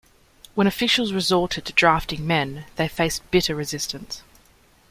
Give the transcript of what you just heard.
When officials resorted to drafting men, they faced bitter resistance.